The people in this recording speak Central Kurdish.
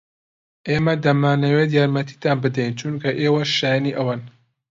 ئێمە دەمانەوێت یارمەتیتان بدەین چونکە ئێوە شایەنی ئەوەن.